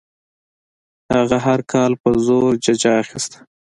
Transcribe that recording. هغه هر کال په زوره ججه اخیستله.